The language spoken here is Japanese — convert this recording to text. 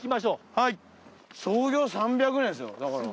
はい創業３００年ですよだから。